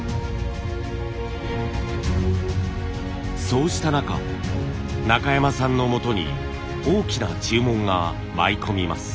そうした中中山さんのもとに大きな注文が舞い込みます。